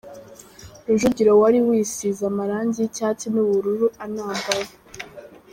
Rujugiro wari wisize amarangi yicyatsi nubururu anambaye.